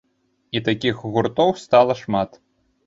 І такіх гуртоў стала шмат.